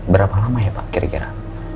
berapa lama ya pak kira kira